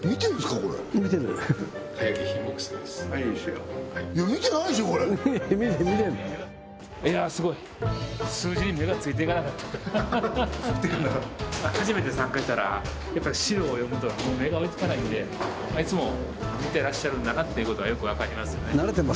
これ見てる見てるの初めて参加したら資料を読むとか目が追いつかないんでいつも見てらっしゃるんだなっていうことがよく分かりますよね